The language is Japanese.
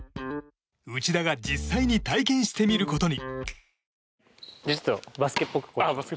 内田が実際に体験してみることに。